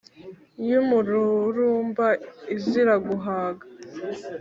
y’umururumba izira guhaga